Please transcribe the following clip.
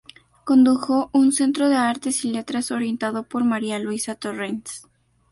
Condujo un Centro de Artes y Letras, orientado por María Luisa Torrens.